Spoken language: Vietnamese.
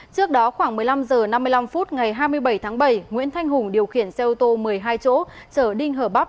trước đó khoảng một mươi năm h năm mươi năm phút ngày hai mươi bảy tháng bảy nguyễn thanh hùng điều khiển xe ô tô một mươi hai chỗ chở đinh hờ bắc